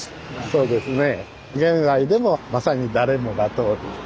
そうですね。